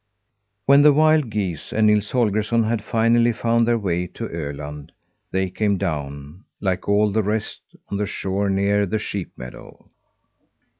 When the wild geese and Nils Holgersson had finally found their way to Öland, they came down, like all the rest, on the shore near the sheep meadow.